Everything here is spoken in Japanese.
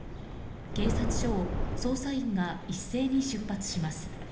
警察署を捜査員が一斉に出発します。